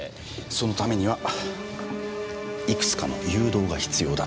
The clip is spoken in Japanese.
そのためにはいくつかの誘導が必要だった。